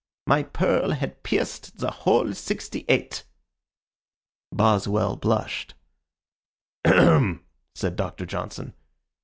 My pearl had pierced the whole sixty eight." Boswell blushed. "Ahem!" said Doctor Johnson.